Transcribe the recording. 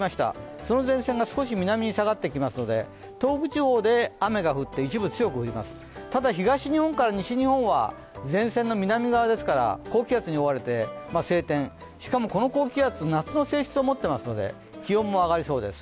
その前線が少し南に下がっていきますので、東北地方で一部雨が降って一部強く振ります、ただ、東日本から西日本は前線の南側ですから高気圧に覆われて晴天、しかもこの高気圧、夏の性質を持っていますので、気温も上がりそうです。